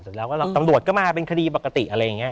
เสร็จแล้วก็ตำรวจก็มาเป็นคดีปกติอะไรอย่างนี้